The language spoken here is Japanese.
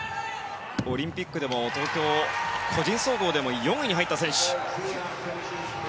オリンピックでも東京個人総合で４位に入った選手。